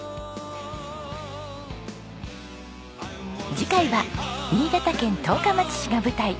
次回は新潟県十日町市が舞台。